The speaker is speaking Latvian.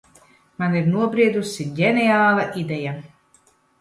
Man ir nobriedusi ģeniāla ideja.